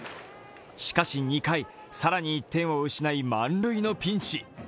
しかし２回、更に１点を失い満塁のピンチ。